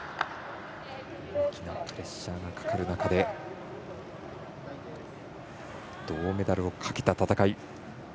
大きなプレッシャーがかかる中で銅メダルをかけた戦い。